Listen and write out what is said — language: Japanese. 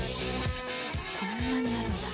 そんなにあるんだ。